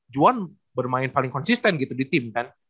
juan bermain paling konsisten gitu di tim kan